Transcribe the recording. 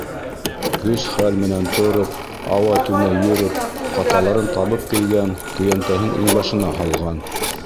Көс-хәл менән тороп, ауа-түнә йөрөп, ҡаталарын табып кейгән, көйәнтәһен иңбашына һалған.